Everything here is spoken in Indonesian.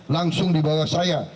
langsung di bawah saya